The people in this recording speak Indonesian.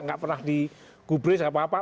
gak pernah di gubris apa apa